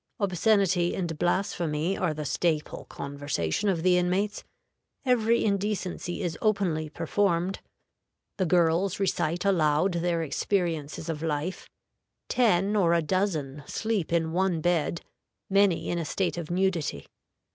Obscenity and blasphemy are the staple conversation of the inmates; every indecency is openly performed; the girls recite aloud their experiences of life; ten or a dozen sleep in one bed, many in a state of nudity.